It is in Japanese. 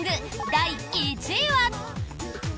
第１位は。